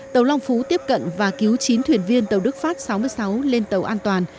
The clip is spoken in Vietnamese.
tàu long phú tiếp cận và cứu chín thuyền viên tàu đức pháp sáu mươi sáu lên tàu an toàn